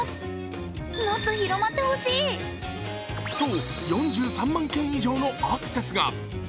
と４３万件以上のアクセスが。